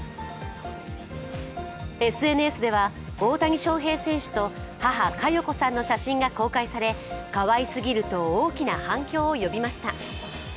ＳＮＳでは、大谷翔平選手と母・加代子さんの写真が公開されかわいすぎると大きな反響を呼びました。